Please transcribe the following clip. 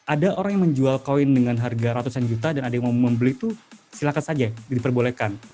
ada orang yang menjual koin dengan harga ratusan juta dan ada yang mau membeli itu silakan saja diperbolehkan